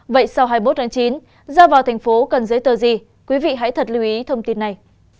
vậy sao hai mươi bốn chín giao vào thành phố cần giới tờ gì quý vị hãy thật lưu ý thông tin này